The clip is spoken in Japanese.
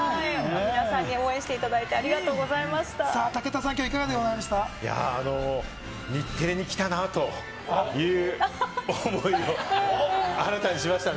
皆さんに応援していただいて、さあ、武田さん、きょうはいいやぁ、日テレに来たなという思いを新たにしましたね。